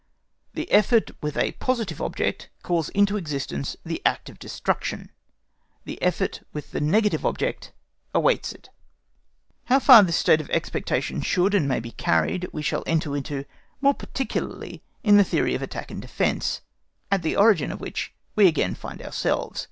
The effort with a positive object calls into existence the act of destruction; the effort with the negative object awaits it. How far this state of expectation should and may be carried we shall enter into more particularly in the theory of attack and defence, at the origin of which we again find ourselves.